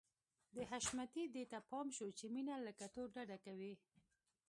د حشمتي دې ته پام شو چې مينه له کتو ډډه کوي.